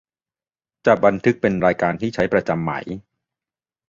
จะบันทึกเป็นรายการที่ใช้ประจำไหม